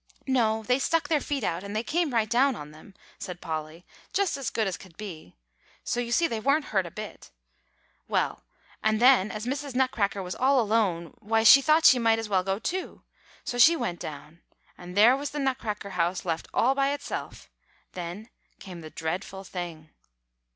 "No; they stuck their feet out, and they came right down on them," said Polly, "just as good as could be. So you see they weren't hurt a bit. Well, and then as Mrs. Nutcracker was all alone, why she thought she might as well go too. So she went down. And there was the Nutcracker house left all by itself. Then came the dreadful thing."